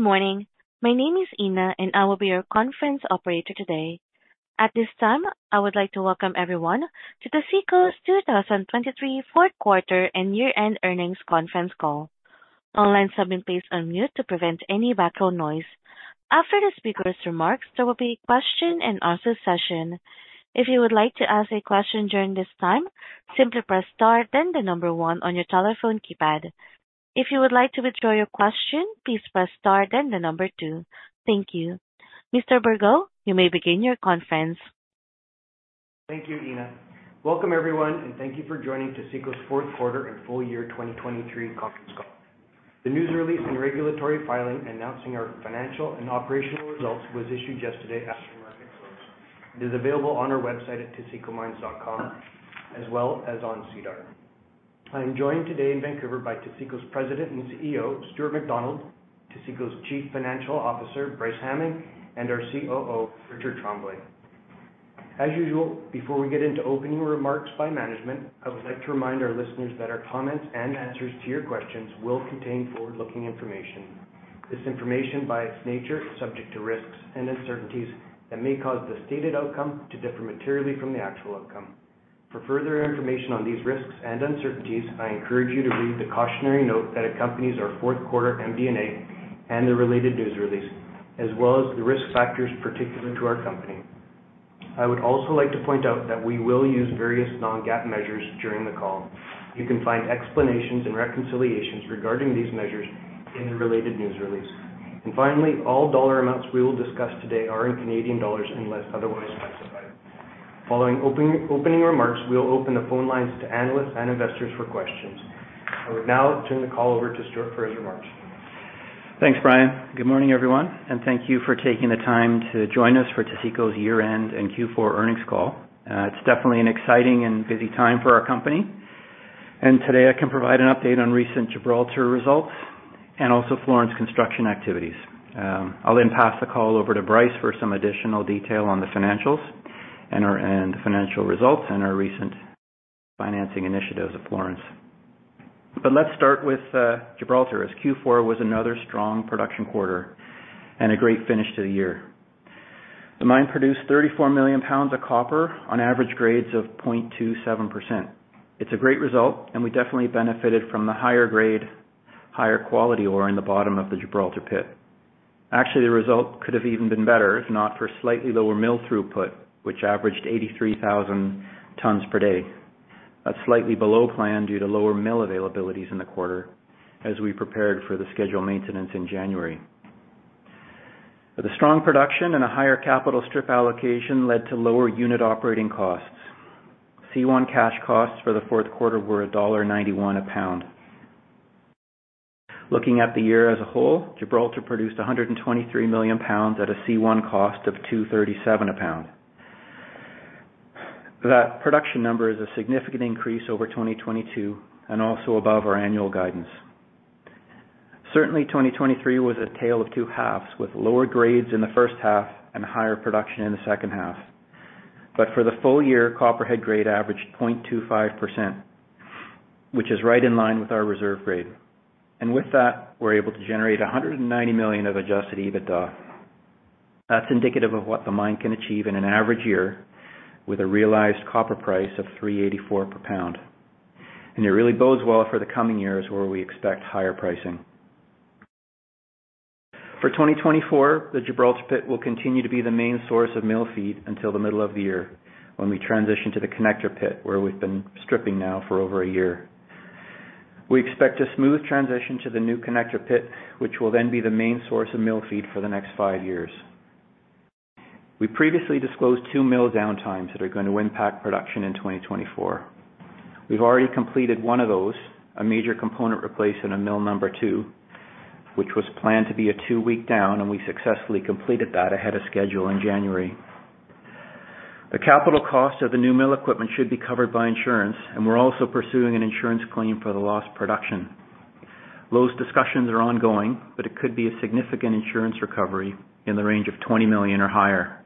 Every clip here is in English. Good morning. My name is Ina, and I will be your conference operator today. At this time, I would like to welcome everyone to the Taseko's 2023 Fourth Quarter and Year-end Earnings Conference Call. Online participants are muted to prevent any background noise. After the speaker's remarks, there will be a question-and-answer session. If you would like to ask a question during this time, simply press star, then the number 1 on your telephone keypad. If you would like to withdraw your question, please press star, then the number 2. Thank you. Mr. Bergot, you may begin your conference. Thank you, Ina. Welcome, everyone, and thank you for joining the Taseko's fourth quarter and full year 2023 conference call. The news release and regulatory filing announcing our financial and operational results was issued yesterday after market close. It is available on our website at tasekomines.com as well as on SEDAR. I am joined today in Vancouver by Taseko's President and CEO, Stuart McDonald; Taseko's Chief Financial Officer, Bryce Hamming; and our COO, Richard Tremblay. As usual, before we get into opening remarks by management, I would like to remind our listeners that our comments and answers to your questions will contain forward-looking information. This information, by its nature, is subject to risks and uncertainties that may cause the stated outcome to differ materially from the actual outcome. For further information on these risks and uncertainties, I encourage you to read the cautionary note that accompanies our fourth quarter MD&A and the related news release, as well as the risk factors particular to our company. I would also like to point out that we will use various non-GAAP measures during the call. You can find explanations and reconciliations regarding these measures in the related news release. And finally, all dollar amounts we will discuss today are in Canadian dollars unless otherwise specified. Following opening remarks, we will open the phone lines to analysts and investors for questions. I would now turn the call over to Stuart for his remarks. Thanks, Brian. Good morning, everyone, and thank you for taking the time to join us for Taseko's year-end and Q4 earnings call. It's definitely an exciting and busy time for our company. Today, I can provide an update on recent Gibraltar results and also Florence construction activities. I'll then pass the call over to Bryce for some additional detail on the financials and the financial results and our recent financing initiatives at Florence. Let's start with Gibraltar, as Q4 was another strong production quarter and a great finish to the year. The mine produced 34 million pounds of copper on average grades of 0.27%. It's a great result, and we definitely benefited from the higher grade, higher quality ore in the bottom of the Gibraltar pit. Actually, the result could have even been better if not for slightly lower mill throughput, which averaged 83,000 tons per day. That's slightly below plan due to lower mill availabilities in the quarter as we prepared for the scheduled maintenance in January. The strong production and a higher capitalized stripping allocation led to lower unit operating costs. C1 cash costs for the fourth quarter were $1.91 a pound. Looking at the year as a whole, Gibraltar produced 123 million pounds at a C1 cost of $2.37 a pound. That production number is a significant increase over 2022 and also above our annual guidance. Certainly, 2023 was a tale of two halves, with lower grades in the first half and higher production in the second half. But for the full year, copper head grade averaged 0.25%, which is right in line with our reserve grade. And with that, we're able to generate 190 million of adjusted EBITDA. That's indicative of what the mine can achieve in an average year with a realized copper price of $3.84 per pound. It really bodes well for the coming years where we expect higher pricing. For 2024, the Gibraltar pit will continue to be the main source of mill feed until the middle of the year when we transition to the Connector pit, where we've been stripping now for over a year. We expect a smooth transition to the new Connector pit, which will then be the main source of mill feed for the next five years. We previously disclosed two mill downtimes that are going to impact production in 2024. We've already completed one of those, a major component replacement of mill number two, which was planned to be a two-week down, and we successfully completed that ahead of schedule in January. The capital cost of the new mill equipment should be covered by insurance, and we're also pursuing an insurance claim for the lost production. Those discussions are ongoing, but it could be a significant insurance recovery in the range of $20 million or higher,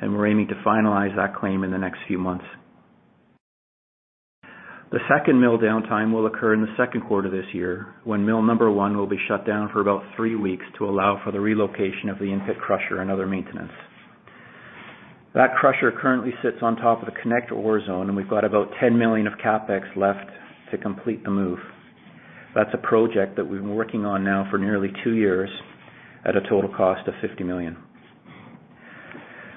and we're aiming to finalize that claim in the next few months. The second mill downtime will occur in the second quarter of this year when mill number one will be shut down for about three weeks to allow for the relocation of the input crusher and other maintenance. That crusher currently sits on top of the Connector ore zone, and we've got about $10 million of CapEx left to complete the move. That's a project that we've been working on now for nearly two years at a total cost of $50 million.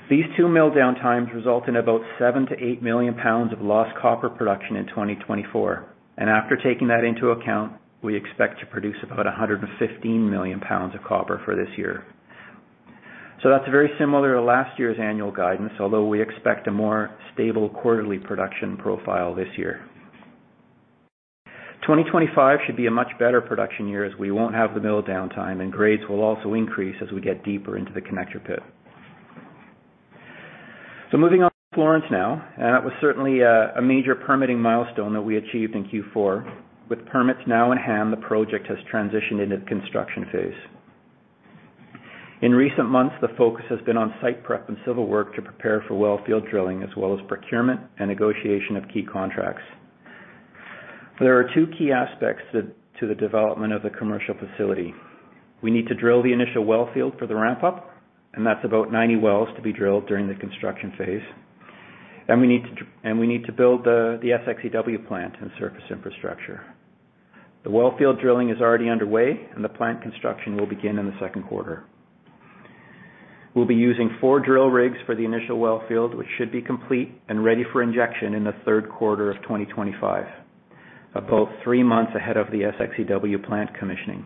These two mill downtimes result in about 7-8 million pounds of lost copper production in 2024. After taking that into account, we expect to produce about 115 million pounds of copper for this year. That's very similar to last year's annual guidance, although we expect a more stable quarterly production profile this year. 2025 should be a much better production year as we won't have the mill downtime, and grades will also increase as we get deeper into the Connector pit. Moving on to Florence now, that was certainly a major permitting milestone that we achieved in Q4. With permits now in hand, the project has transitioned into the construction phase. In recent months, the focus has been on site prep and civil work to prepare for well field drilling as well as procurement and negotiation of key contracts. There are two key aspects to the development of the commercial facility. We need to drill the initial well field for the ramp-up, and that's about 90 wells to be drilled during the construction phase. We need to build the SX/EW plant and surface infrastructure. The well field drilling is already underway, and the plant construction will begin in the second quarter. We'll be using 4 drill rigs for the initial well field, which should be complete and ready for injection in the third quarter of 2025, about 3 months ahead of the SX/EW plant commissioning.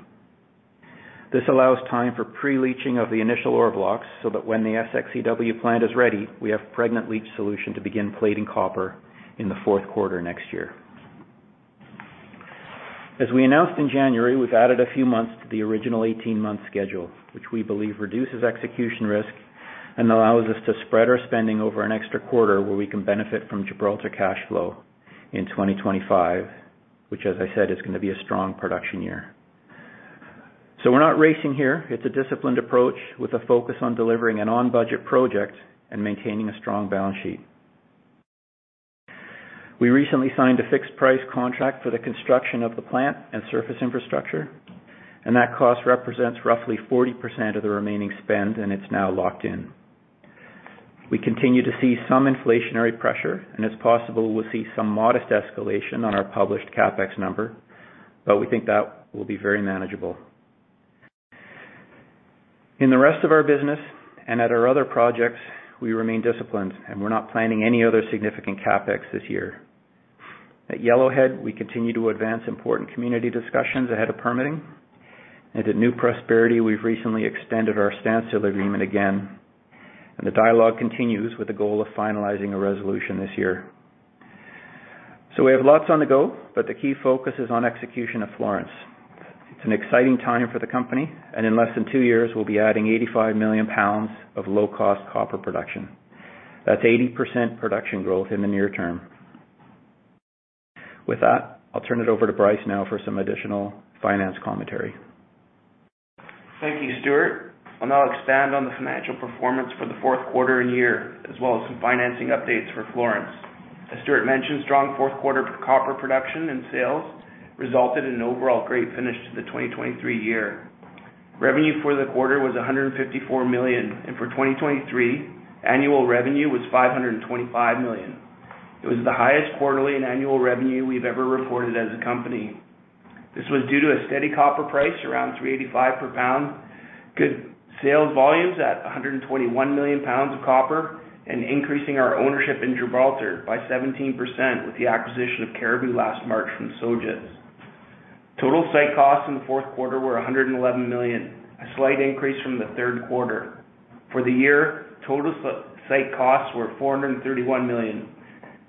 This allows time for pre-leaching of the initial ore blocks so that when the SX/EW plant is ready, we have pregnant leach solution to begin plating copper in the fourth quarter next year. As we announced in January, we've added a few months to the original 18-month schedule, which we believe reduces execution risk and allows us to spread our spending over an extra quarter where we can benefit from Gibraltar cash flow in 2025, which, as I said, is going to be a strong production year. So we're not racing here. It's a disciplined approach with a focus on delivering an on-budget project and maintaining a strong balance sheet. We recently signed a fixed-price contract for the construction of the plant and surface infrastructure, and that cost represents roughly 40% of the remaining spend, and it's now locked in. We continue to see some inflationary pressure, and it's possible we'll see some modest escalation on our published CapEx number, but we think that will be very manageable. In the rest of our business and at our other projects, we remain disciplined, and we're not planning any other significant CapEx this year. At Yellowhead, we continue to advance important community discussions ahead of permitting. At New Prosperity, we've recently extended our stance to the agreement again, and the dialogue continues with the goal of finalizing a resolution this year. We have lots on the go, but the key focus is on execution of Florence. It's an exciting time for the company, and in less than two years, we'll be adding 85 million pounds of low-cost copper production. That's 80% production growth in the near term. With that, I'll turn it over to Bryce now for some additional finance commentary. Thank you, Stuart. I'll now expand on the financial performance for the fourth quarter and year as well as some financing updates for Florence. As Stuart mentioned, strong fourth quarter copper production and sales resulted in an overall great finish to the 2023 year. Revenue for the quarter was 154 million, and for 2023, annual revenue was 525 million. It was the highest quarterly and annual revenue we've ever reported as a company. This was due to a steady copper price around $3.85 per pound, good sales volumes at 121 million pounds of copper, and increasing our ownership in Gibraltar by 17% with the acquisition of Cariboo last March from Sojitz. Total site costs in the fourth quarter were 111 million, a slight increase from the third quarter. For the year, total site costs were $431 million,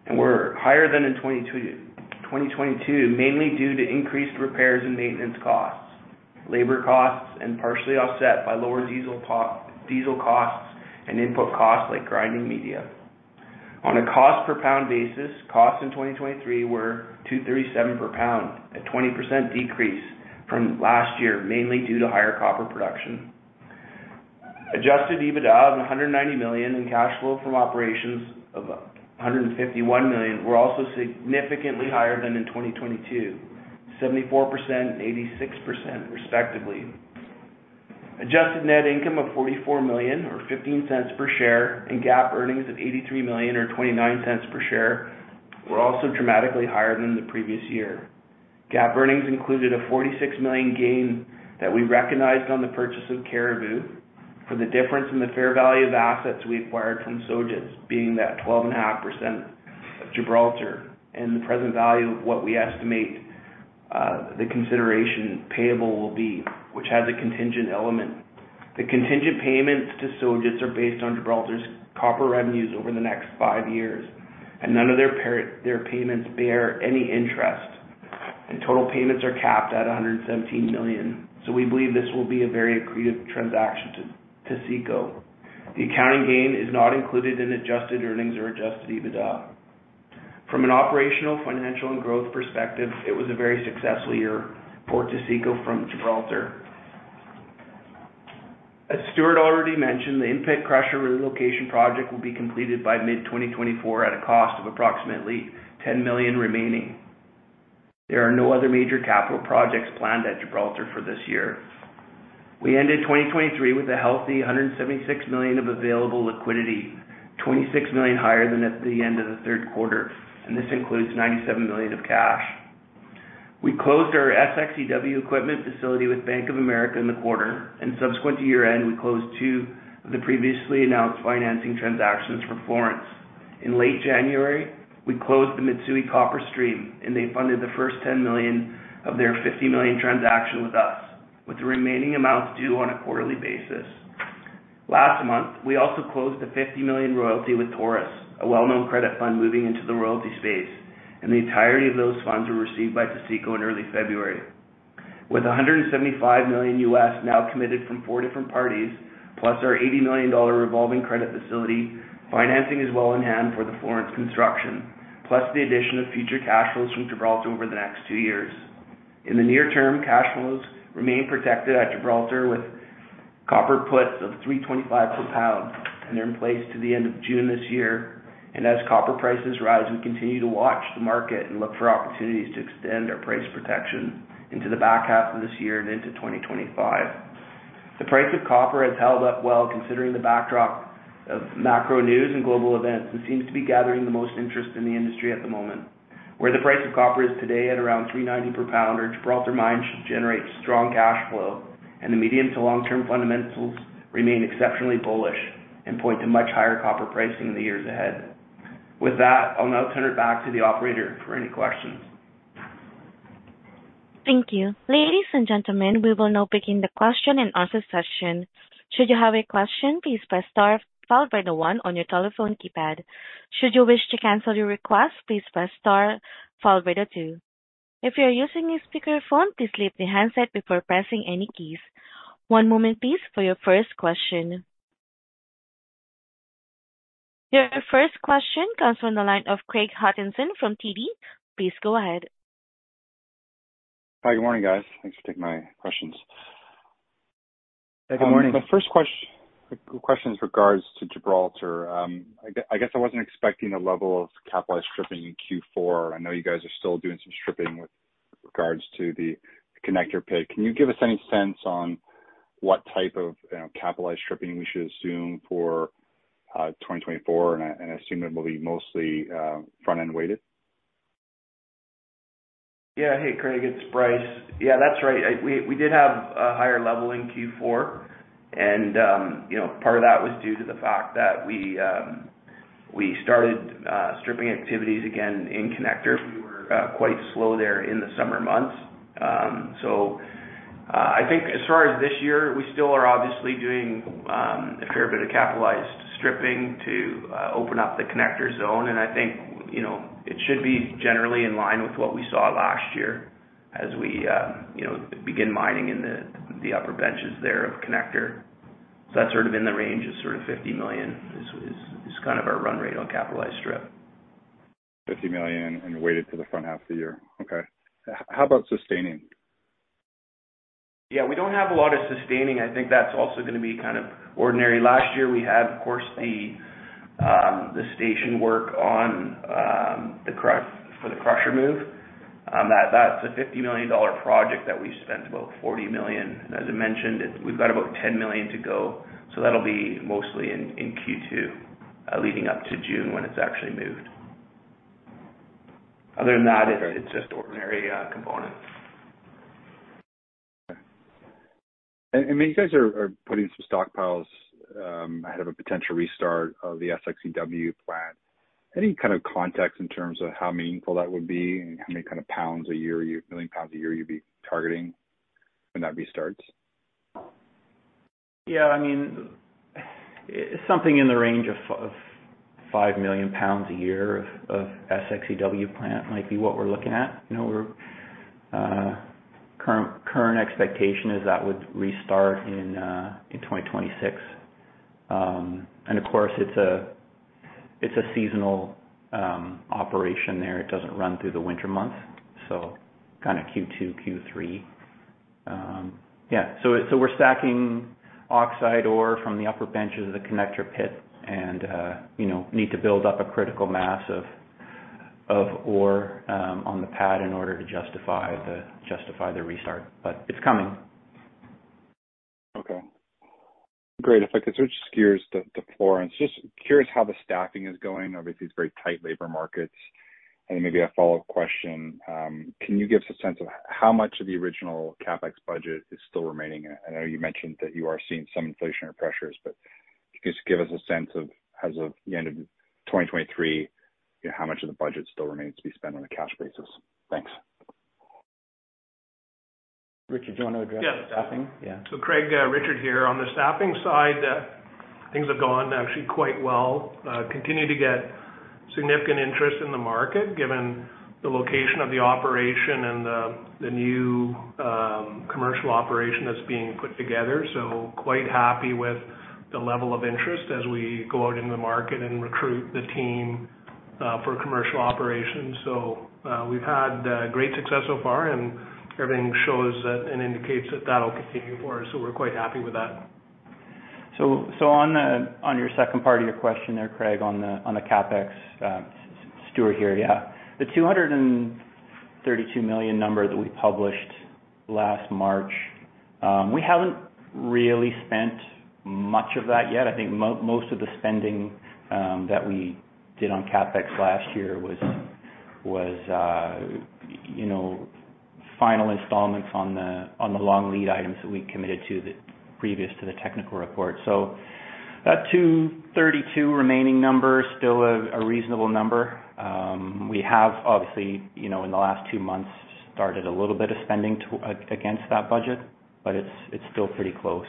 and were higher than in 2022, mainly due to increased repairs and maintenance costs, labor costs, and partially offset by lower diesel costs and input costs like grinding media. On a cost-per-pound basis, costs in 2023 were $237 per pound, a 20% decrease from last year, mainly due to higher copper production. Adjusted EBITDA of $190 million and cash flow from operations of $151 million were also significantly higher than in 2022, 74% and 86%, respectively. Adjusted net income of $44 million or $0.15 per share and GAAP earnings of $83 million or $0.29 per share were also dramatically higher than the previous year. GAAP earnings included a $46 million gain that we recognized on the purchase of Cariboo Copper for the difference in the fair value of assets we acquired from Sojitz, being that 12.5% of Gibraltar Mine and the present value of what we estimate the consideration payable will be, which has a contingent element. The contingent payments to Sojitz are based on Gibraltar Mine's copper revenues over the next five years, and none of their payments bear any interest. Total payments are capped at $117 million, so we believe this will be a very accretive transaction to Taseko. The accounting gain is not included in adjusted earnings or Adjusted EBITDA. From an operational, financial, and growth perspective, it was a very successful year for Taseko from Gibraltar Mine. As Stuart already mentioned, the input crusher relocation project will be completed by mid-2024 at a cost of approximately $10 million remaining. There are no other major capital projects planned at Gibraltar for this year. We ended 2023 with a healthy $176 million of available liquidity, $26 million higher than at the end of the third quarter, and this includes $97 million of cash. We closed our SX/EW equipment facility with Bank of America in the quarter, and subsequent to year-end, we closed two of the previously announced financing transactions for Florence. In late January, we closed the Mitsui Copper Stream, and they funded the first $10 million of their $50 million transaction with us, with the remaining amounts due on a quarterly basis. Last month, we also closed a $50 million royalty with Taurus, a well-known credit fund moving into the royalty space, and the entirety of those funds were received by Taseko in early February. With $175 million now committed from four different parties, plus our $80 million revolving credit facility, financing is well in hand for the Florence construction, plus the addition of future cash flows from Gibraltar over the next two years. In the near term, cash flows remain protected at Gibraltar with copper puts of $3.25 per pound, and they're in place to the end of June this year. As copper prices rise, we continue to watch the market and look for opportunities to extend our price protection into the back half of this year and into 2025. The price of copper has held up well considering the backdrop of macro news and global events and seems to be gathering the most interest in the industry at the moment. Where the price of copper is today at around $3.90 per pound, our Gibraltar Mine should generate strong cash flow, and the medium to long-term fundamentals remain exceptionally bullish and point to much higher copper pricing in the years ahead. With that, I'll now turn it back to the operator for any questions. Thank you. Ladies and gentlemen, we will now begin the question and answer session. Should you have a question, please press star followed by the one on your telephone keypad. Should you wish to cancel your request, please press star followed by the two. If you're using a speakerphone, please leave the handset before pressing any keys. One moment, please, for your first question. Your first question comes from the line of Craig Hutchison from TD. Please go ahead. Hi. Good morning, guys. Thanks for taking my questions. Hey. Good morning. The first question is with regards to Gibraltar. I guess I wasn't expecting the level of capitalized stripping in Q4. I know you guys are still doing some stripping with regards to the Connector pit. Can you give us any sense on what type of capitalized stripping we should assume for 2024, and I assume it will be mostly front-end weighted? Yeah. Hey, Craig. It's Bryce. Yeah, that's right. We did have a higher level in Q4, and part of that was due to the fact that we started stripping activities again in Connector. We were quite slow there in the summer months. So I think as far as this year, we still are obviously doing a fair bit of capitalized stripping to open up the Connector zone, and I think it should be generally in line with what we saw last year as we begin mining in the upper benches there of Connector. So that's sort of in the range of sort of $50 million is kind of our run rate on capitalized strip. $50 million and weighted to the front half of the year. Okay. How about sustaining? Yeah. We don't have a lot of sustaining. I think that's also going to be kind of ordinary. Last year, we had, of course, the stripping work for the crusher move. That's a 50 million dollar project that we spent about 40 million. And as I mentioned, we've got about 10 million to go, so that'll be mostly in Q2 leading up to June when it's actually moved. Other than that, it's just ordinary components. Okay. And you guys are putting some stockpiles ahead of a potential restart of the SX/EW plant. Any kind of context in terms of how meaningful that would be and how many kind of pounds a year you million pounds a year you'd be targeting when that restarts? Yeah. I mean, something in the range of 5 million pounds a year of SX/EW plant might be what we're looking at. Current expectation is that would restart in 2026. And of course, it's a seasonal operation there. It doesn't run through the winter months, so kind of Q2, Q3. Yeah. So we're stacking oxide ore from the upper benches of the Connector pit and need to build up a critical mass of ore on the pad in order to justify the restart, but it's coming. Okay. Great. If I could switch gears to Florence, just curious how the staffing is going. Obviously, it's very tight labor markets. Maybe a follow-up question. Can you give us a sense of how much of the original CapEx budget is still remaining? I know you mentioned that you are seeing some inflationary pressures, but if you could just give us a sense of, as of the end of 2023, how much of the budget still remains to be spent on a cash basis. Thanks. Richard, do you want to address staffing? Yeah. So Craig, Richard here. On the staffing side, things have gone actually quite well, continue to get significant interest in the market given the location of the operation and the new commercial operation that's being put together. So quite happy with the level of interest as we go out into the market and recruit the team for commercial operations. So we've had great success so far, and everything shows and indicates that that'll continue for us, so we're quite happy with that. So on your second part of your question there, Craig, on the CapEx, Stuart here, yeah. The $232 million number that we published last March, we haven't really spent much of that yet. I think most of the spending that we did on CapEx last year was final installments on the long lead items that we committed to previous to the technical report. So that $232 remaining number is still a reasonable number. We have, obviously, in the last two months, started a little bit of spending against that budget, but it's still pretty close.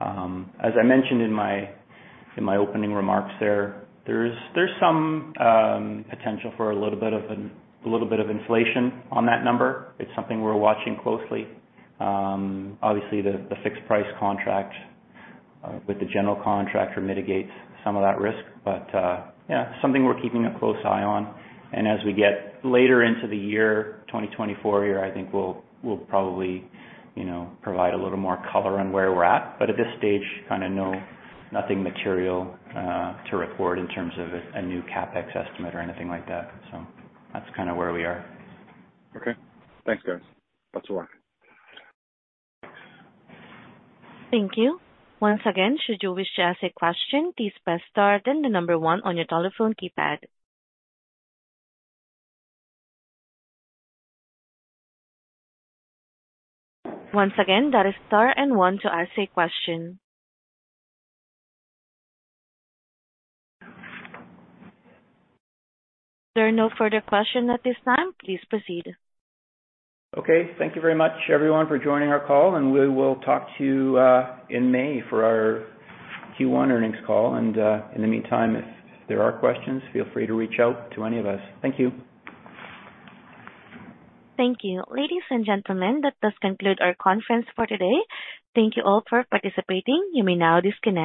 As I mentioned in my opening remarks there, there's some potential for a little bit of inflation on that number. It's something we're watching closely. Obviously, the fixed-price contract with the general contractor mitigates some of that risk, but yeah, something we're keeping a close eye on. As we get later into the year, 2024 here, I think we'll probably provide a little more color on where we're at. But at this stage, kind of nothing material to report in terms of a new CapEx estimate or anything like that. So that's kind of where we are. Okay. Thanks, guys. Lots of work. Thank you. Once again, should you wish to ask a question, please press star then the number one on your telephone keypad. Once again, that is star and one to ask a question. There are no further questions at this time. Please proceed. Okay. Thank you very much, everyone, for joining our call, and we will talk to you in May for our Q1 earnings call. In the meantime, if there are questions, feel free to reach out to any of us. Thank you. Thank you. Ladies and gentlemen, that does conclude our conference for today. Thank you all for participating. You may now disconnect.